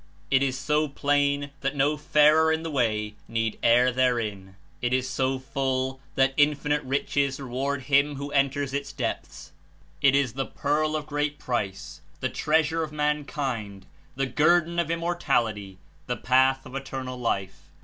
It is so plain that no farer in the way need err therein; it is 22 so full that Infinite riches reward him who enters Its depths. It Is the Pearl of great price, the treasure of mankind, the guerdon of Immortality, the Path of Eternal Life.